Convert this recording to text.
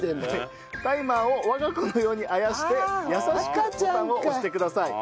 タイマーを我が子のようにあやして優しくボタンを押してください。